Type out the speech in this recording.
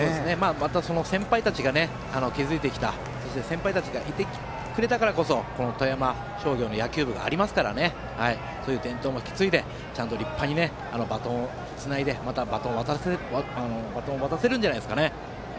また、その先輩たちが築いてきたそして先輩たちがいてくれたからこそ富山商業の野球部がありますからそういう伝統も引き継いでちゃんと立派にバトンをつないでバトンを渡せるんじゃないですかね。